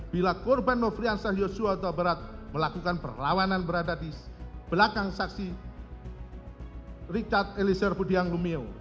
bila korban nofriansah yosua utabarat melakukan perlawanan berada di belakang saksi richard elisir budiang lumiu